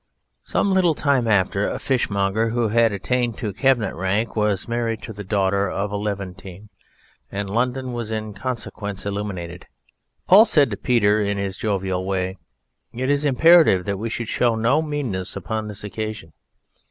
Some little time after a Fishmonger who had attained to Cabinet rank was married to the daughter of a Levantine and London was in consequence illuminated. Paul said to Peter in his jovial way, "It is imperative that we should show no meanness upon this occasion.